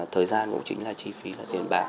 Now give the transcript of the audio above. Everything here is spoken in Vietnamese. thời gian cũng chính là chi phí là tiền bạc